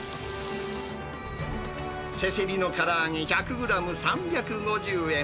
せせりのから揚げ１００グラム３５０円。